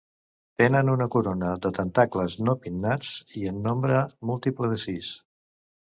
Tenen una corona de tentacles no pinnats i en nombre múltiple de sis.